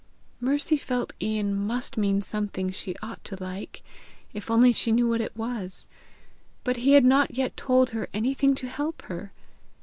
Mercy felt Ian must mean something she ought to like, if only she knew what it was; but he had not yet told her anything to help her!